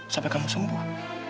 sampai kamu sembuh